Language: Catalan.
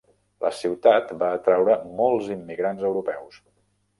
La ciutat va atraure molts immigrants europeus.